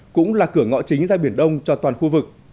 cũng là cửa ngõ chính ra biển đông cho toàn khu vực